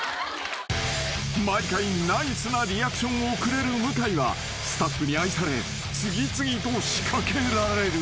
［毎回ナイスなリアクションをくれる向井はスタッフに愛され次々と仕掛けられる］